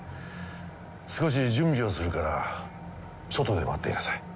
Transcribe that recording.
少し準備をするから外で待っていなさい。